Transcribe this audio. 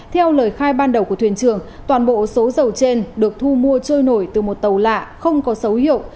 theo lời khai ban đầu của thuyền trường toàn bộ số dầu trên được thu mua trôi nổi từ một tàu lạ không có dấu hiệu